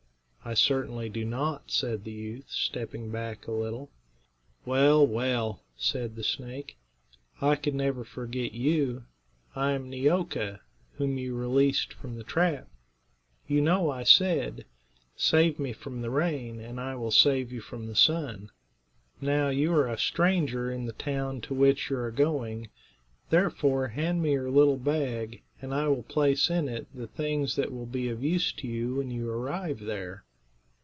"I certainly do not," said the youth, stepping back a little. "Well, well!" said the snake; "I could never forget you. I am Neeoka, whom you released from the trap. You know I said, 'Save me from the rain, and I will save you from the sun.' Now, you are a stranger in the town to which you are going; therefore hand me your little bag, and I will place in it the things that will be of use to you when you arrive there."